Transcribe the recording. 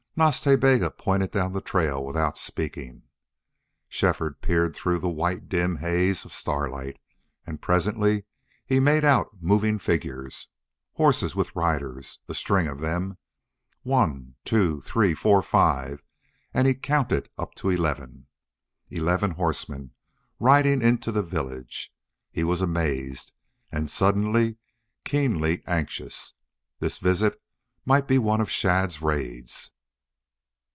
Nas Ta Bega pointed down the trail without speaking. Shefford peered through the white dim haze of starlight and presently he made out moving figures. Horses, with riders a string of them one two three four five and he counted up to eleven. Eleven horsemen riding into the village! He was amazed, and suddenly keenly anxious. This visit might be one of Shadd's raids.